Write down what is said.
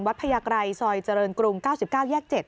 พญาไกรซอยเจริญกรุง๙๙แยก๗